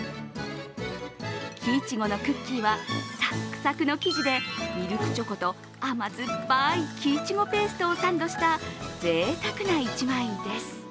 木苺のクッキーはサックサクの生地でミルクチョコと甘酸っぱい木苺ペーストをサンドした贅沢な一枚です。